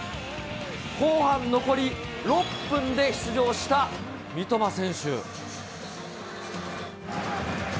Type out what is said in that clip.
後半残り６分で出場した三笘選手。